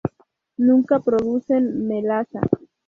Nunca producen melaza.